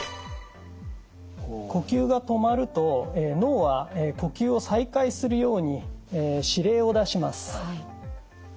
呼吸が止まると脳は呼吸を再開するように指令を出します。